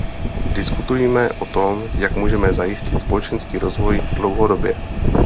Diskutujeme o tom, jak můžeme zajistit společenský rozvoj dlouhodobě.